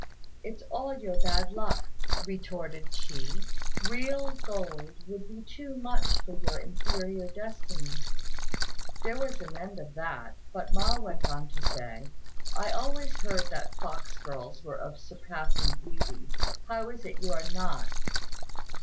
"It's all your bad luck," retorted she; "real gold would be too much for your inferior destiny." There was an end of that; but Ma went on to say, "I always heard that fox girls were of surpassing beauty; how is it you are not?"